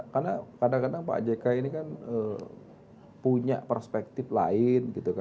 karena kadang kadang pak jk ini kan punya perspektif lain gitu kan